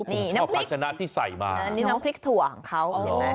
นี่น้ำพริกนี่น้ำพริกถั่วของเขา